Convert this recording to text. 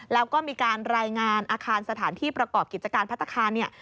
แล้วก็มีการรายงานอาคารสถานที่ประกอบกิจการพัฒนาคารเนี่ย